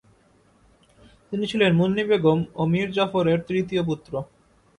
তিনি ছিলেন মুন্নী বেগম ও মীর জাফরের তৃতীয় পুত্র।